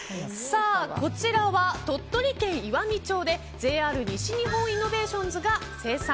こちらは鳥取県岩美町でＪＲ西日本イノベーションズが生産。